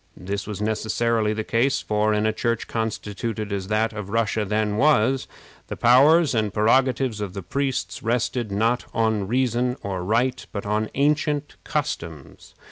This was necessarily the case; for, in a Church constituted as that of Russia then was, the powers and prerogatives of the priests rested, not on reason or right, but on ancient customs.